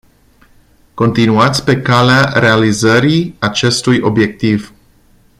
Continuați pe calea realizării acestui obiectiv.